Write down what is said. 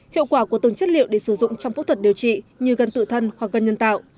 hiệu quả của từng chất liệu để sử dụng trong phẫu thuật điều trị như gân tự thân hoặc gân nhân tạo